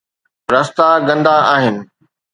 رستا گندا آهن